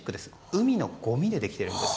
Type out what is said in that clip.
海のごみでできているんです。